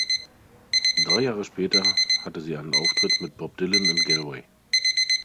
Drei Jahre später hatte sie einen Auftritt mit Bob Dylan in Galway.